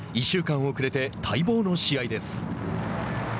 １週間遅れて待望の試合です。